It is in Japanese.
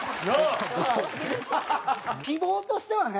希望としてはね